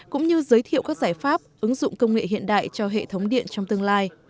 cũng như giới thiệu các giải pháp ứng dụng công nghệ hiện đại cho hệ thống điện trong tương lai